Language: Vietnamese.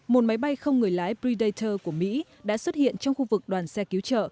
một máy bay không người lái bridayter của mỹ đã xuất hiện trong khu vực đoàn xe cứu trợ